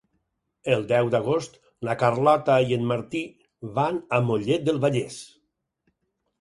El deu d'agost na Carlota i en Martí van a Mollet del Vallès.